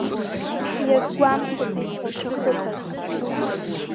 Иазгәамҭаӡеит ишахыԥаз!